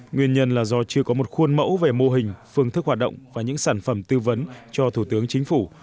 nguyên nhân là do chưa có một khuôn mẫu về mô hình phương thức hoạt động và những sản phẩm tư vấn cho thủ tướng chính phủ